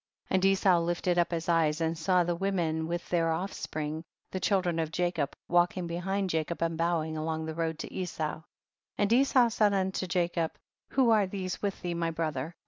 59. And Esau lifted up his eyes and saw the women with their off spring, the children of Jacob, walk ing behind Jacob and bowing along the road to Esau. 60. And Esau said unto Jacob, who are these with thee my brother